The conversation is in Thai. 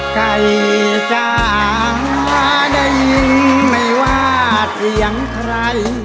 ใครจะได้ยินไม่ว่าจะยังใคร